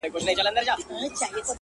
o ټمبه ته يو گوز هم غنيمت دئ.